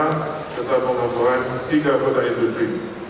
dan pembangunan tiga kota industri